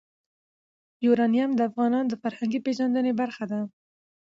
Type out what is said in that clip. یورانیم د افغانانو د فرهنګي پیژندنې برخه ده.